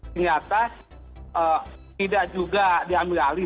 ternyata tidak juga diambil alih